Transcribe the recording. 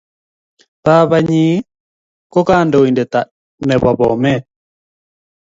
Babat nyin kokandoindet nebo Bomet